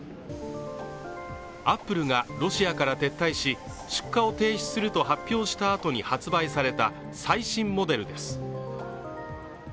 アップルがロシアから撤退し、出荷を停止すると発表したあとに発売された最新モデルです。